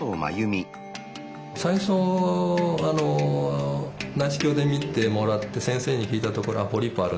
最初内視鏡で診てもらって先生に聞いたところポリープあるねと。